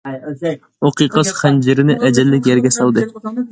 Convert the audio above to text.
ئۇ قىساس خەنجىرىنى ئەجەللىك يەرگە سالدى.